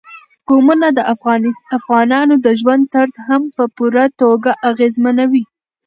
قومونه د افغانانو د ژوند طرز هم په پوره توګه اغېزمنوي.